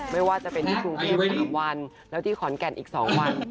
ไม่ว่าจะเป็นที่กรุงเทพ๓วันแล้วที่ขอนแก่นอีก๒วัน